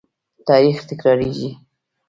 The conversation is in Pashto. تاریخ تکرارېږي.